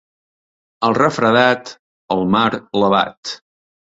El refredat, el mar l'abat.